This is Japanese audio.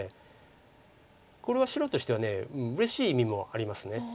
これは白としてはうれしい意味もあります。